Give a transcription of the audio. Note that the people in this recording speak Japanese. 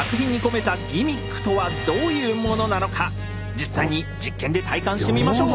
実際に実験で体感してみましょう。